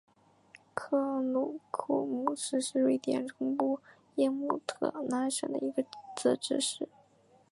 克鲁库姆市是瑞典中部耶姆特兰省的一个自治市。